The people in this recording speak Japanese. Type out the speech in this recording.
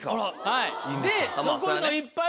はい。